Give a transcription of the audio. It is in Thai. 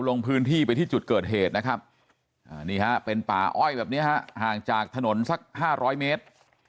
ลงพื้นที่ไปที่จุดเกิดเหตุเป็นป่าอ้อยแบบนี้ห่างจากถนนสัก๕๐๐เมตร